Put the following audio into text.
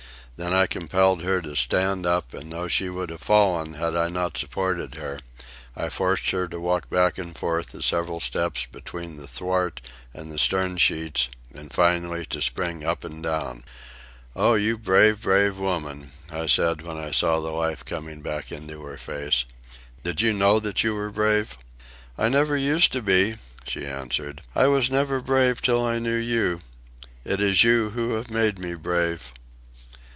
Then I compelled her to stand up, and though she would have fallen had I not supported her, I forced her to walk back and forth the several steps between the thwart and the stern sheets, and finally to spring up and down. "Oh, you brave, brave woman," I said, when I saw the life coming back into her face. "Did you know that you were brave?" "I never used to be," she answered. "I was never brave till I knew you. It is you who have made me brave."